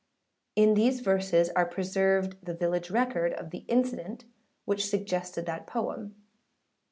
In these verses are preserved the village record of the incident which suggested that poem.